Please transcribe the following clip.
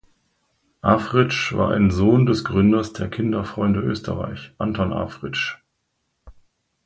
Afritsch war ein Sohn des Gründers der Kinderfreunde Österreich, Anton Afritsch.